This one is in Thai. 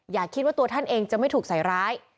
อย่าคิดว่าตัวท่านเองจะไม่ถูกใส่ร้าย